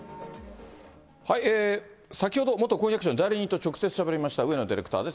先ほど、元婚約者の代理人と直接しゃべりました、上野ディレクターです。